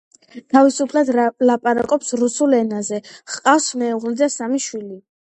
თავისუფლად ლაპარაკობს რუსულ ენაზე, ჰყავს მეუღლე და სამი შვილი.